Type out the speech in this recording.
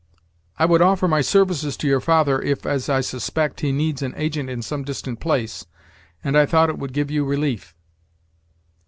"I would offer my services to your father, if, as I suspect, he needs an agent in some distant place, and I thought it would give you relief."